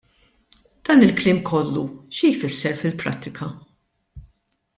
Dan il-kliem kollu xi jfisser fil-prattika?